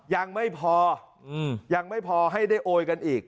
ยังไม่พอยังไม่พอให้ได้โอยกันอีก